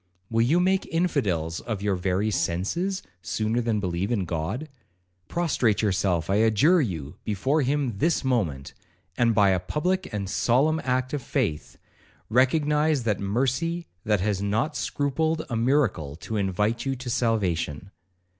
Will you make infidels of your very senses, sooner than believe God? Prostrate yourself, I adjure you, before him this moment, and, by a public and solemn act of faith, recognise that mercy that has not scrupled a miracle to invite you to salvation.'